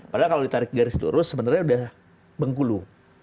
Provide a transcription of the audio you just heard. padahal kalau ditarik garis lurus sebenarnya udah mengkulu